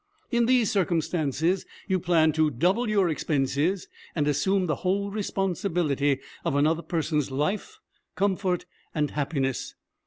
In these circumstances you plan to double your expenses and assume the whole responsibility of another person's life, comfort, and happiness.